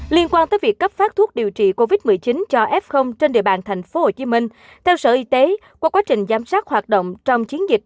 liên quan tới việc cấp phát thuốc điều trị covid một mươi chín cho f trên địa bàn tp hcm theo sở y tế qua quá trình giám sát hoạt động trong chiến dịch